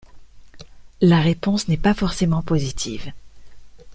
La réponse n'est pas forcément positive.